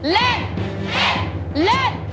เล่น